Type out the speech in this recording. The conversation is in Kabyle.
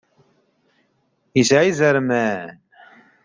Isεa izerman.